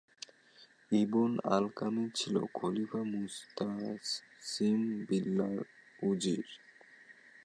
Ibn Alqami ছিল খলীফা Mustasim বিল্লাহর উযীর।